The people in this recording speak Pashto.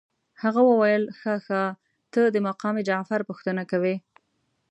هغه ویل ښه ښه ته د مقام جعفر پوښتنه کوې.